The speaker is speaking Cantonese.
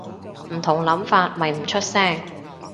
唔同諗法咪唔出聲